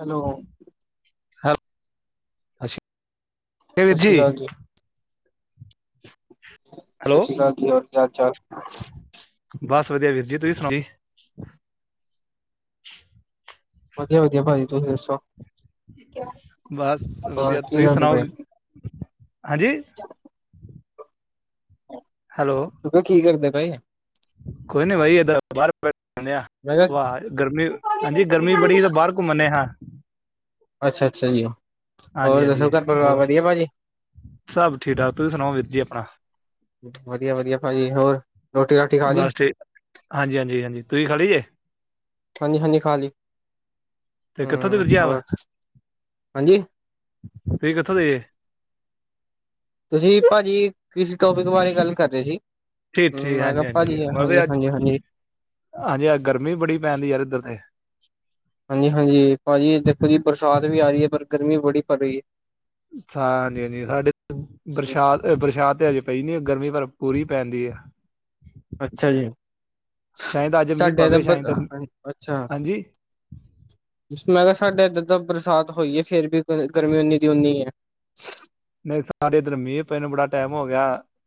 Hello ਹਾਂ ਅੱਛਾ ਸਤਿ ਸ਼੍ਰੀ ਅਕਾਲ ਜੀ ਸਤਿ ਹੈਲੋ ਸ਼੍ਰੀ ਅਕਾਲ ਜੀ, ਔਰ ਕਿ ਹਾਲ ਚਾਲ? ਬਸ ਵਧੀਆ ਵੀਰ ਜੀ, ਤੁਸੀਂ ਸੁਣਾਓ ਜੀ ਵਧੀਆ-ਵਧੀਆ ਭਾਜੀ, ਤੁਸੀਂ ਦੱਸੋ? ਬਸ ਹੋਰ ਵਧੀਆ, ਕੀ ਤੁਸੀਂ ਕਰਦੇ ਸੁਣਾਓ? ਪਏ ਹਾਂਜੀ ਹੈਲੋ ਮੈਂ ਕਿਹਾ, ਕੀ ਕਰਦੇ ਪਏ? ਕੋਈ ਨੀ ਬਾਈ, ਏਦਾਂ ਬਾਹਰ, ਮੈਂ ਕਿਹਾ ਵਾਹ ਗਰਮੀ ਹਾਂਜੀ ਗਰਮੀ ਬੜੀ ਤਾਂ ਬਾਹਰ ਘੁੰਮਨ ਹਾਂ ਅੱਛਾ-ਅੱਛਾ ਜੀ, ਹਾਂਜੀ ਹੋਰ ਦੱਸੋ ਹਾਂਜੀ ਘਰ ਪਰਿਵਾਰ ਹੋਰ ਵਧੀਆ ਭਾਜੀ? ਸਭ ਠੀਕ ਠਾਕ ਤੁਸੀਂ ਸੁਣਾਓ? ਵੀਰ ਜੀ ਆਪਣਾ ਵਧੀਆ-ਵਧੀਆ ਭਾਜੀ ਹੋਰ ਰੋਟੀ ਰਾਟੀ ਖਾ ਲਈ ਬਸ ਠੀਕ ਹਾਂਜੀ, ਹਾਂਜੀ, ਹਾਂਜੀ ਤੁਸੀਂ ਖਾ ਲਈ ਜੇ ਹਾਜੀ, ਹਾਜੀ ਖਾ ਲਈ ਤੇ ਕਿੱਥੋਂ ਤੇ ਫਿਰਜ ਹਮ ਵਾ ਹੋਰ ਹਾਂਜੀ ਫ ਕਿੱਥੋਂ ਦੇ ਤੁਸੀਂ ਭਾਜੀ ਕਿਸ ਟੋਪਿਕ ਬਾਰੇ ਗੱਲ ਕਰ ਰਹੇ ਸੀ। ਠੀਕ, ਹਮ ਠੀਕ ਮੈਂ ਹਾਂਜੀ, ਕਿਹਾ ਹਾਂਜੀ ਭਾਜੀ ਮਤਲਬ ਅੱਜ ਹਾਂਜੀ ਹਾਂਜੀ ਹਾਂਜੀ ਗਰਮੀ ਬੜੀ ਪੈਂਦੀ ਯਾਰ ਇੱਧਰ ਤੇ ਹਾਂਜੀ ਹਾਂਜੀ ਭਾਜੀ ਦੇਖੋ ਜੀ ਬਰਸਾਤ ਵੀ ਆ ਰਹੀ ਹੈ ਪਰ ਗਰਮੀ ਬੜੀ ਪੜ ਰਹੀ ਹੈ। ਛ ਹਾਂਜੀ, ਹਾਂਜੀ ਸਾਡੇ ਹੈ ਬਰਸਾਤ, ਬਰਸਾਤ ਤਾਂ ਅਜੇ ਪਈ ਨੀ ਗਰਮੀ ਪਰ ਪੂਰੀ ਪੈਂਦੀ ਹੈ। ਅੱਛਾ ਜੀ ਸ਼ਾਇਦ ਅੱਜ ਮੀਂਹ ਸਾਡੇ ਪਵੇ ਰਬਰ ਅੱਛਾ ਹ [unintelligible] ਮੈਂ ਕਿਹਾ ਸਾਡੇ ਏਧਰ ਦਾ ਬਰਸਾਤ ਹੋਈ ਏ ਫੇਰ ਵੀ ਗਰਮੀ ਉਨੀ ਦੀ ਉਨੀ ਐ। ਨਹੀਂ ਸਾਡੇ ਇਧਰ ਮੀਹ ਪਏ ਨੂੰ ਬੜਾ ਟਾਈਮ ਹੋ ਗਿਆ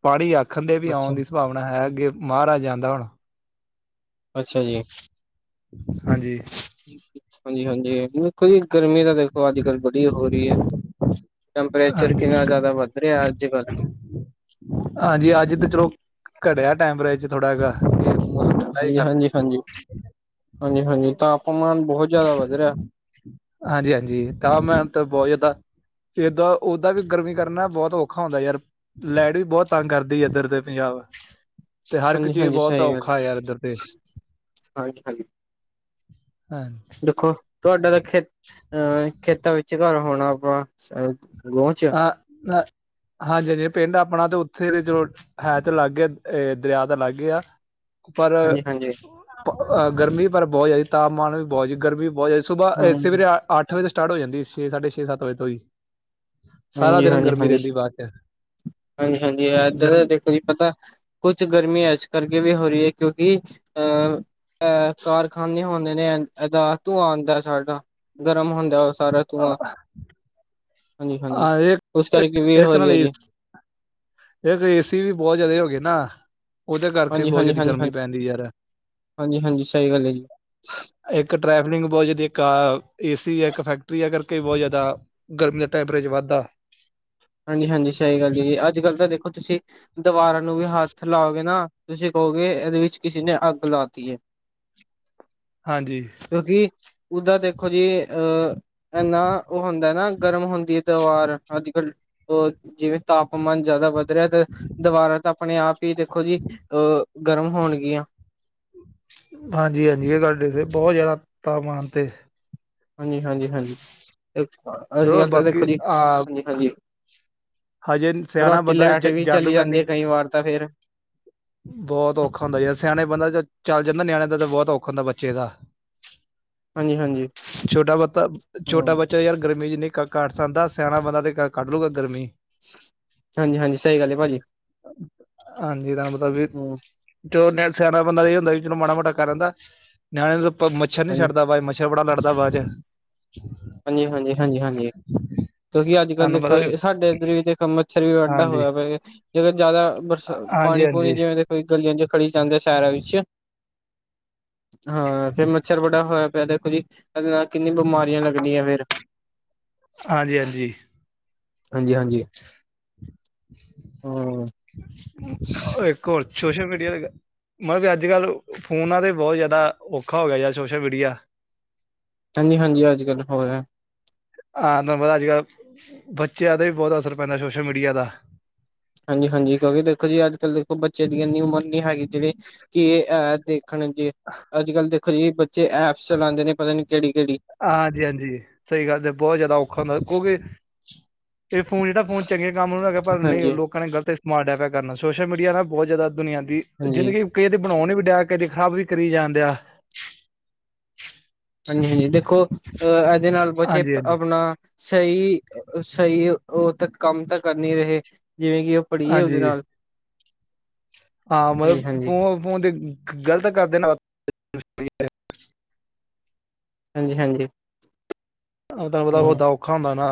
ਪਾਣੀ ਆਖਣ ਦੇ ਵੀ ਅੱਛਾ, ਆਉਣ ਦੀ ਸਭਾਵਨਾ ਹੈ ਅੱਗੇ ਮਹਾਰਾਜ ਜਾਂਦਾ ਹੁਣ ਅੱਛਾ ਜੀ ਹਾਂਜੀ ਹਾਂਜੀ, ਹਾਂਜੀ। ਗਰਮੀ ਤਾਂ ਦੇਖੋ ਅੱਜ ਕੱਲ ਬੜੀ ਹੋ ਰਹੀ ਏ। ਟੈਂਪਰੇਚਰ ਹਾਂਜੀ ਕਿੰਨਾ ਜ਼ਿਆਦਾ ਵਧ ਰਿਹਾ ਅੱਜ ਕੱਲ੍ਹ ਹਾਂਜੀ ਅੱਜ ਤੇ ਚਲੋ ਘਟਿਆ ਟੈਂਪਰਾਚਰ ਥੋੜਾ ਜਿਹਾ ਹਾਂਜੀ, ਕਰ ਹਾਂਜੀ, ਹਾਂਜੀ, ਹਾਂਜੀ, [unintelligible] ਹਾਂਜੀ ਤਾਪਮਾਨ ਬਹੁਤ ਜ਼ਿਆਦਾ ਵੱਧ ਰਿਹਾ। ਹਾਂਜੀ, ਹਾਂਜੀ ਤਾਂ ਮੈਂ ਤਾਂ ਬਹੁਤ ਜ਼ਿਆਦਾ ਏਦਾਂ, ਓਦਾਂ ਵੀ ਗਰਮੀ ਕਰਨਾ ਬਹੁਤ ਔਖਾ ਹੁੰਦਾ ਯਾਰ ਲਾਈਟ ਵੀ ਬਹੁਤ ਤੰਗ ਕਰਦੀ ਇੱਧਰ ਤੇ ਪੰਜਾਬ ਤੇ ਹਰ ਇੱਕ ਹਾਂਜੀ, ਚੀਜ਼ ਹਾਂਜੀ ਬਹੁਤ ਸਹੀ ਗੱਲ ਔਖਾ ਯਾਰ ਇੱਧਰ ਤੇ ਹਾਂਜੀ, ਹਾਂਜੀ ਹਾਂ ਦੇਖੋ ਤੁਹਾਡਾ ਤਾਂ ਖੇ ਅਹ ਖੇਤਾਂ ਵਿੱਚ ਘਰ ਹੋਣਾ ਆਪਣਾ ਅ ਗੋਹ ਚ ਹ ਨਾ ਹਾਂਜੀ ਹਾਂਜੀ ਪਿੰਡ ਆਪਣਾ ਤਾਂ ਉੱਥੇ ਜੋ ਹੈ ਤੇ ਅਲੱਗ ਆ ਦਰਿਆ ਤਾਂ ਅਲੱਗ ਆ ਪਰ ਹਾਂਜੀ, ਹਾਂਜੀ। ਗਰਮੀ ਪਰ ਬਹੁਤ ਜ਼ਿਆਦੀ ਤਾਪਮਾਨ ਵੀ ਬਹੁਤ ਗਰਮੀ ਬਹੁਤ ਜਿਆਦਾ ਸੁਬਾਹ ਹਮ ਸਵੇਰੇ ਅੱਠ ਵਜੇ ਤੋਂ ਸਟਾਰਟ ਹੋ ਜਾਂਦੀ ਛੇ ਸਾਡੇ ਛੇ ਸੱਤ ਵਜੇ ਤੋਂ ਹੀ ਸਾਰਾ ਹਾਂਜੀ, ਦਿਨ ਹਾਂਜੀ, ਗਰਮੀ ਹਾਂਜੀ, ਰਹਿੰਦੀ ਬਾਅਦ ਚ ਹਾਂਜੀ, ਹਾਂਜੀ ਇਏਦਾਂ ਗਰਮ ਦਾ ਤੁ ਪਤਾ ਕੁਛ ਗਰਮੀ ਇਸ ਕਰਕੇ ਵੀ ਹੋ ਰਹੀ ਏ ਕਿਉਂਕਿ ਅਹ ਅਹ ਕਾਰਖਾਨੇ ਹੁੰਦੇ ਨੇ ਧੂੰਆ ਆਉਂਦਾ ਸਾਡਾ ਗਰਮ ਹੁੰਦਾ। ਸਾਰਾ ਧੂਆਂ ਹਾਂਜੀ, ਹਾਂਜੀ ਅ ਉਸ ਕਰਕੇ ਵੀ ਹੋ ਰਹੀ ਨਾਲ ਹੈ ਜੀ ਇੱਕ ਏ ਸੀ ਵੀ ਬਹੁਤ ਜਿਆਦਾ ਹੋ ਗਏ ਨੇ ਨਾ ਉਹਦੇ ਕਰਕੇ ਬਹੁਤ ਜ਼ਿਆਦਾ ਗਰਮੀ ਹਾਂਜੀ-ਹਾਂਜੀ-ਹਾਂਜੀ-ਹਾਂਜੀ ਪੈਂਦੀ ਯਾਰਾ ਹਾਂਜੀ-ਹਾਂਜੀ ਸਹੀ ਗੱਲ ਹੈ ਜੀ ਇੱਕ ਟਰੈਵਲਿੰਗ ਬਹੁਤ ਜ਼ਿਆਦਾ ਇੱਕ ਕਾਰ ਏ ਸੀ ਹੈ ਇੱਕ ਫੈਕਟਰੀ ਹੈ ਕਰਕੇ ਬਹੁਤ ਜ਼ਿਆਦਾ ਗਰਮੀ ਦਾ ਟੈਂਪਰੇਚਰ ਵੱਧਦਾ ਹਾਂਜੀ, ਹਾਂਜੀ, ਸਹੀ ਗੱਲ ਜ ਜੀ ਅੱਜ ਕੱਲ ਤਾਂ ਦੇਖੋ ਤੁਸੀਂ ਦੀਵਾਰਾਂ ਨੂੰ ਵੀ ਹੱਥ ਲਾਓਗੇ ਨਾ ਤੁਸੀਂ ਕਹੋਗੇ ਇਹਦੇ ਵਿੱਚ ਕਿਸੇ ਨੇ ਅੱਗ ਲਾ ਦਿਤੀ ਏ ਹਾਂਜੀ ਕਿਉਂਕਿ ਉਹਦਾ ਦੇਖੋ ਜੀ ਅਹ ਇਨਾ ਉਹ ਹੁੰਦਾ ਨਾ ਗਰਮ ਹੁੰਦੀ ਹੈ ਦਿਵਾਰ ਅੱਜ ਕੱਲ੍ਹ ਓ, ਜਿਵੇਂ ਤਾਪਮਾਨ ਜਿਆਦਾ ਵੱਦ ਰੇਆ, ਤੇ ਦਵਾਰਾਂ ਤਾਂ ਆਪਣੇ ਆਪ ਹੀ ਦੇਖੋ ਜੀ, ਅਹ ਗਰਮ ਹੋਣਗੀਆਂ। ਹਾਂਜੀ, ਹਾਂਜੀ ਇਹ ਕਰਕੇ ਸੀ ਬਹੁਤ ਜ਼ਿਆਦਾ ਤਾਪਮਾਨ ਤੇ ਹਾਂਜੀ, ਹਾਂਜੀ, ਹਾਂਜੀ ਅਸੀਲੀ ਚਲੋ ਗੱਲ ਤਾਂ ਬਾਕੀ ਦੇਖੋ ਜੀ ਆ ਹਾਂਜੀ, ਹਾਂਜੀ। ਹਜੇ ਸਿਆਣਾ ਰਾਤੀ ਬੰਦਾ ਜ ਲੈਟ ਵੀ ਜਰ ਚਲੀ ਲੂਗਾ ਜਾਂਦੀ ਇੰਨੀ ਆ ਕਈ ਵਾਰ ਤਾਂ ਫੇਰ ਬਹੁਤ ਔਖਾ ਹੁੰਦਾ ਯਾਰ ਸਿਆਣੇ ਬੰਦਾ ਜ ਚੱਲ ਜਾਂਦਾ ਨਿਆਣੇ ਦਾ ਤਾਂ ਬਹੁਤ ਔਖਾ ਹੁੰਦਾ ਬੱਚੇ ਦਾ ਹਾਂਜੀ ਹਾਂਜੀ ਛੋਟਾ ਬੱਚਾ, ਛੋਟਾ ਹਮ ਬੱਚਾ ਯਾਰ ਗਰਮੀ ਜਿੰਨੀ ਕੱਟ ਸਕਦਾ ਸਿਆਣਾ ਬੰਦਾ ਤੇ ਕੱਢ ਲੂਗਾ ਗਰਮੀ ਹਾਂਜੀ, ਹਾਂਜੀ ਸਹੀ ਗੱਲ ਏ ਭਾਜੀ। ਹਾਂਜੀ ਤੁਹਾਨੂੰ ਪਤਾ ਵੀ ਹਮ ਜੋ ਸਿਆਣਾ ਬੰਦਾ ਇਹ ਹੁੰਦਾ ਜਿਹਨੂੰ ਮਾੜਾ ਮੋਟਾ ਕਰ ਲੈਦਾ। ਨਿਆਣੇ ਨੂੰ ਤਾਂ ਮੱਛਰ ਨ ਹਾਂਜੀ ਛਡਦਾਾ ਮੱਛਰ ਬੜਾ ਲੜਦਾ ਬਾਦ ਚ ਹਾਂਜੀ ਹਾਂਜੀ ਹਾਂਜੀ ਹਾਂਜੀ [unintelligible] ਕਿਉਂਕਿ ਅੱਜ ਕੱਲ੍ਹ ਤੁਹਾਨੂੰ ਦੇਖੋ ਪਤਾ ਵੀ ਸਾਡੇ ਇੱਧਰ ਵੀ ਦੇਖ ਮੱਛਰ ਵੀ ਏਡਾ ਹਾਂਜੀ ਹੋਇਆ ਜੇਕਰ ਜ਼ਦਾ ਬਰਸਾ ਹਾਂਜੀ ਪਾਣੀ ਪਣੀ ਹਾਂਜੀ ਜਿਵੇਂਈ ਗਲੀਆਂ ਚ ਖੜੀ ਜਾਂਦਾ ਸ਼ੇਰਾਂ ਵਿੱਚ ਹਾਂ ਫੇਰ ਮੱਛਰ ਬੜਾ ਹੋਇਆ ਪਿਆ ਦੇਖੋ ਜੀ ਇਹਦੇ ਨਾਲ ਕਿੰਨੀਆਂ ਬਿਮਾਰੀਆਂ ਲਗ [unintelligible] ਫਿਰ ਹਾਂਜੀ ਹਾਂਜੀ ਹਾਂਜੀ ਹਮ [unintelligible] ਸੋਸਲ ਮੀਡੀਆ ਦੇ। ਮਤਲਬ ਵੀ ਅੱਜ ਕੱਲ੍ਹ ਫੋਨਾਂ ਤੇ ਬਹੁਤ ਜ਼ਿਆਦਾ ਔਖਾ ਹੋ ਗਿਆ ਯਾਰ ਸੋਸ਼ਲ ਮੀਡੀਆ। ਹਾਂਜੀ ਹਾਂਜੀ, ਅੱਜ ਕੱਲ੍ਹ ਹੋ ਰਹਾ। ਹਾਂ ਤੁਹਾਨੂੰ ਪਤਾ ਅੱਜ ਕੱਲ੍ਹ ਬੱਚਿਆਂ ਦਾ ਵੀ ਬਹੁਤ ਅਸਰ ਪੈਂਦਾ ਸੋਸ਼ਲ ਮੀਡੀਆ ਦਾ। ਹਾਂਜੀ-ਹਾਂਜੀ, ਕਿਉਂਕਿ ਦੇਖੋ ਜੀ ਅੱਜ ਕੱਲ ਦੇਖੋ ਬੱਚੇ ਦੀ ਇੰਨੀ ਉਮਰ ਨੀ ਹੈਗੀ ਜਿਹੜੇ ਕਿ ਏ ਦੇਖਣ ਜੀ ਅੱਜ ਕੱਲ੍ਹ ਦੇਖੋ ਜੀ ਬੱਚੇ ਐਪਸ ਚਲਾਂਦੇ ਨੇ ਪਤਾ ਨੀ ਕਿਹੜੀ ਕਿਹੜੀ। ਹਾਂਜੀ-ਹਾਂਜੀ, ਸਹੀ ਗੱਲ ਤੇ ਬਹੁਤ ਜ਼ਿਆਦਾ ਔਖਾ ਹੁੰਦਾ ਕਿਉਂਕਿ ਇਹ ਫੋਨ ਜਿਹੜਾ ਫੋਨ ਚੰਗੇ ਕੰਮ [unintelligible] ਹੈਗਾ ਪਰ ਨਹੀਂ ਹਾਂਜੀ ਲੋਕਾਂ ਨੇ ਗਲਤ [unintelligible] ਕਰਨਾ ਸੋਸ਼ਲ ਮੀਡੀਆ ਨਾ ਬਹੁਤ ਜ਼ਿਆਦਾ ਦੁਨੀਆਂ ਦੀ ਹਾਂਜੀ ਜ਼ਿੰਦਗੀ ਕਈ ਦੇ ਬਣਾਉਣ ਵੀ ਡਿਆ ਕਦੇ ਖਰਾਬ ਵੀ ਕਰੀ ਜਾਂਦੇ ਆ। ਹਾਂਜੀ ਹਾਂਜੀ, ਦੇਖੋ ਅਹ ਇਹਦੇ ਨਾਲ ਹਾਂਜੀ [unintelligible] ਹਾਂਜੀ ਆਪਣਾ ਸਹੀ ਸਹੀ ਉਹ ਤਾਂ ਕੰਮ ਤਾਂ ਕਰ ਨੀ ਰਹੇ। ਜਿਵੇਂ ਕਿ ਉਹ ਪੜ੍ਹੀਏ ਉਹਦੇ ਹਾਂਜੀ ਨਾਲ ਹਾਂ, ਮਤਲਬ ਹਾਂਜੀ ਹਾਂਜੀ ਫ ਫੋਨ ਤੇ ਗ਼ਲਤ ਕਰਦੇ ਨੇ [unintelligible] ਹਾਂਜੀ ਹਾਂਜੀ, ਹਮ [unintelligible] ਔਖਾ ਹੁੰਦਾ ਨਾ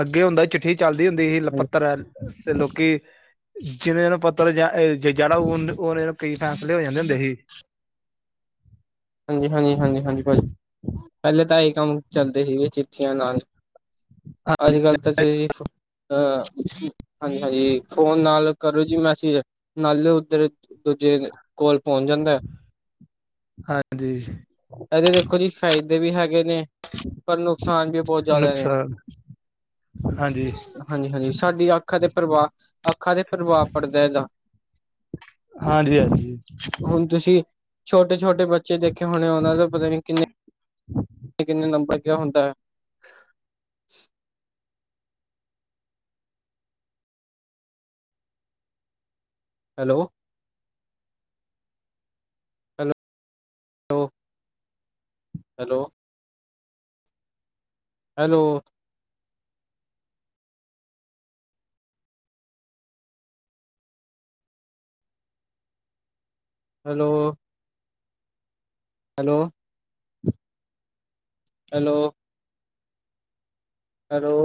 ਅੱਗੇ ਹੁੰਦਾ ਚਿੱਠੀ। ਚੱਲਦੀ ਹੁੰਦੀ ਸੀ ਲਪੱਤਰ ਤੇ ਲੋਕੀ ਜਿੰਨੇ ਨੂੰ ਪੱਤਰ [unintelligible] ਫੈਸਲੇ ਹੋ ਜਾਂਦੇ ਹੁੰਦੇ ਸੀ। ਹਾਂਜੀ ਹਾਂਜੀ, ਹਾਂਜੀ ਹਾਂਜੀ, ਭਾਜੀ ਪਹਿਲੇ ਤਾਂ ਇਹੀ ਕੰਮ ਚੱਲਦੇ ਸੀਗੇ ਚਿੱਠੀਆਂ ਨਾਲ ਅੱਜ ਕੱਲ ਤਾਂ [unintelligible] ਅ ਹਾਂਜੀ ਹਾਂਜੀ ਫੋਨ ਨਾਲ ਕਰੋ ਜੀ ਮੈਸੇਜ ਨਾਲ ਉੱਧਰ ਦੂਜੇ ਕੋਲ ਪਹੁੰਚ ਜਾਂਦਾ। ਹਾਂਜੀ, ਇਹਦੇ ਦੇਖੋ ਜੀ ਫ਼ਾਇਦੇ ਵੀ ਹੈਗੇ ਨੇ ਪਰ ਨੁਕਸਾਨ ਵੀ ਬਹੁਤ ਜ਼ਿਆਦਾ ਨੇ। ਨੁਕਸਾਨ ਹਾਂਜੀ, ਹਾਂਜੀ-ਹਾਂਜੀ, ਸਾਡੀ ਅੱਖਾਂ ਤੇ ਪਰਵਾ ਅੱਖਾਂ ਤੇ ਪ੍ਭਾਵ ਪੜਦਾ ਏਦਾਂ ਹਾਂਜੀ ਹਾਂਜੀ ਤੁਸੀਂ ਛੋਟੇ ਛੋਟੇ ਬੱਚੇ ਦੇਖੇ ਹੋਣੇ ਉਹਨਾਂ ਦਾ ਪਤਾ ਨੀ ਕਿੰਨੇ ਕਿੰਨੇ ਨੰਬਰ ਹੁੰਦਾ hello, hello hello, hello, hello, hello, hello, hello, hello,